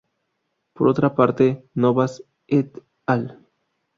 Por otra parte, Novas "et al.